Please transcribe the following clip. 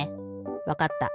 わかった。